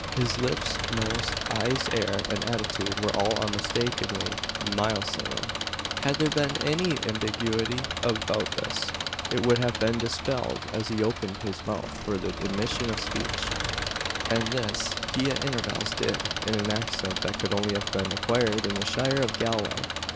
His lips, nose, eyes, air, and attitude, were all unmistakably Milesian. Had there been any ambiguity about this, it would have been dispelled as he opened his mouth for the emission of speech; and this he at intervals did, in an accent that could only have been acquired in the shire of Galway.